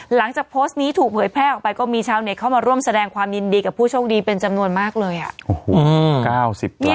หลังจากโพสต์นี้ถูกเผยแพร่ออกไปก็มีชาวเน็ตเข้ามาร่วมแสดงความยินดีกับผู้โชคดีเป็นจำนวนมากเลยอ่ะ